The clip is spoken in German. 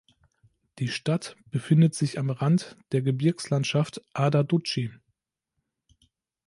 Die Stadt befindet sich am Rand der Gebirgslandschaft Ader Doutchi.